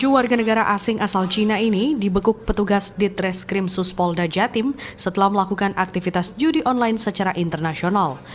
tujuh warga negara asing asal cina ini dibekuk petugas ditres krimsus polda jawa timur setelah melakukan aktivitas judi online secara internasional